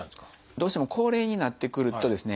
どうしても高齢になってくるとですね